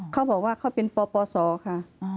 เขาบอกว่าเขาเป็นปปศค่ะ